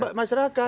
iya dari masyarakat